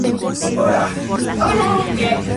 Es cabecera del municipio de Calkiní.